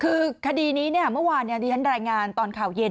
คือคดีนี้เนี่ยเมื่อวานถึงแรงงานตอนข่าวเย็น